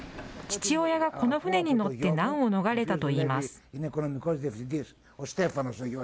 父親がこの船に乗って難を逃れたといいます。